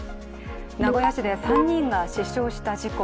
名古屋市で３人が死傷した事故。